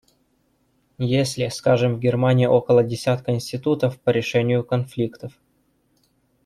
Если, скажем, в Германии около десятка институтов по решению конфликтов.